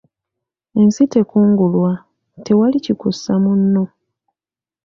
Ensi tekungulwa, tewali kikussa munno.